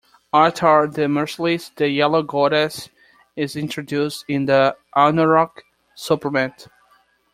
At'ar the Merciless, the "Yellow Goddess," is introduced in the "Anauroch" supplement.